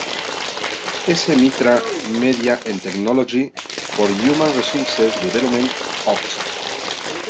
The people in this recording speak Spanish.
S. Mitra, Media and Technology for Human Resources Development, Oct.